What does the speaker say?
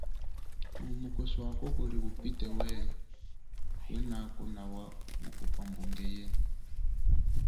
Mumu kweswako kuli upite we, kwenako nawa mukupwa mbunge ye.